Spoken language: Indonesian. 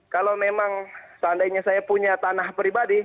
kalau memang seandainya saya punya tanah pribadi